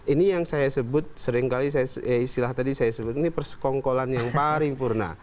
ini yang saya sebut seringkali saya istilah tadi saya sebut ini persekongkolan yang paling purna